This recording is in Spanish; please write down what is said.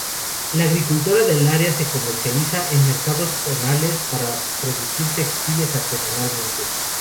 La agricultura del área se comercializa en mercados zonales, para producir textiles artesanalmente.